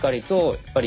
やっぱり